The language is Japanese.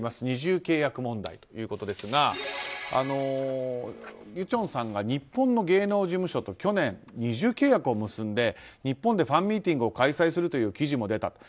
二重契約問題ということですがユチョンさんが日本の芸能事務所と去年二重契約を結んで日本でファンミーティングを開催するという記事も出た。